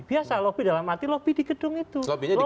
biasa lobby dalam arti lobby di gedung itu